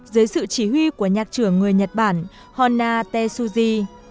dưới sự chỉ huy của nhạc trưởng người nhật bản hona tetsuji